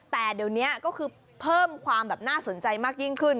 แต่เดี๋ยวนี้ก็คือเพิ่มความแบบน่าสนใจมากยิ่งขึ้น